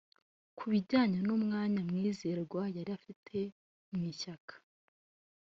Ku bijyanye n’umwanya Mwizerwa yari afite mu ishyaka